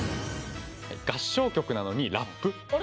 合唱曲なのにラップ！？